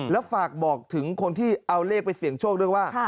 แล้วฝากบอกถึงคนที่เอาเลขไปเสี่ยงโชคด้วยว่า